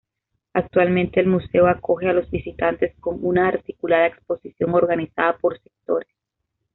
Actualmente el Museo acoge a los visitantes con una articulada exposición organizada por sectores.